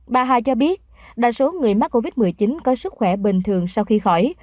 bà hà cho biết đa số người mắc covid một mươi chín có sức khỏe bình thường sau khi khỏi